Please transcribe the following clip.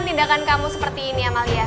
tindakan kamu seperti ini amalia